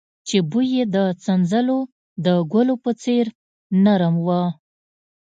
چې بوى يې د سنځلو د ګلو په څېر نرم و.